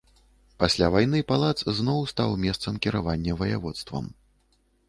Пасля вайны палац зноў стаў месцам кіравання ваяводствам.